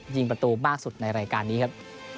ยิงประตูมากสุดในรายการนี้ครับ